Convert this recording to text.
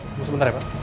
tunggu sebentar ya pak